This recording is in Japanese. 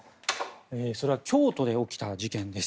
それは京都で起きた事件です。